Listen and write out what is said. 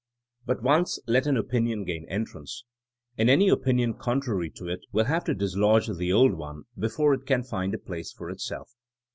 But once let an opinion gain entrance, and any opinion contrary to it will have to dislodge the old one before it can find a place for itself.